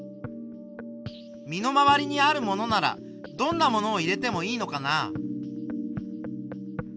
身の回りにあるものならどんなものを入れてもいいのかな。